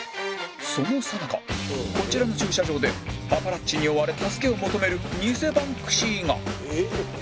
そのさなかこちらの駐車場でパパラッチに追われ助けを求める偽バンクシーが